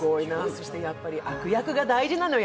そして、やっぱり悪役が大事なのよ